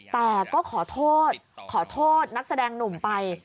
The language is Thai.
แต่ก็ขอโทษขอโทษนักแสดงหนุ่มไป